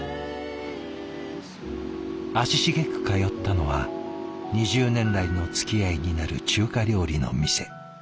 足しげく通ったのは２０年来のつきあいになる中華料理の店。